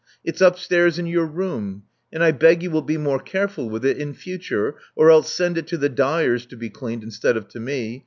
It's upstairs in your room ; and I beg you will be more careful with it in future, or else send it to the dyers to be cleaned instead of to me.